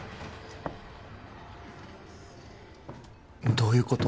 どういうこと？